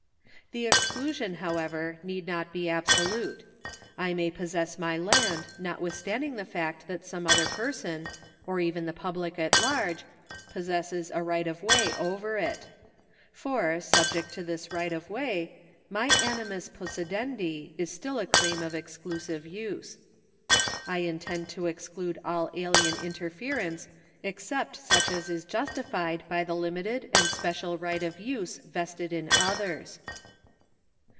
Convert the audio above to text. The exclusion, however, need not be absolute. I may possess my land notwithstanding the fact that some other person, or even the public at large, possesses a right of way over it. For, subject to this right of way, my animus possi dendi is still a claim of exclusive use. I intend to exclude all §97] POSSESSION 243 alien interference except such as is justified by the hmited and special right of use vested in others.